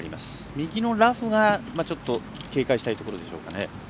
右のラフがちょっと警戒したいところでしょうか。